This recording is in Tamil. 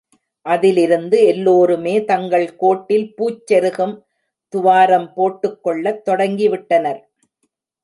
அதிலிருந்து எல்லோருமே தங்கள் கோட்டில் பூச் செருகும் துவாரம் போட்டுக் கொள்ளத் தொடங்கிவிட்டனர்.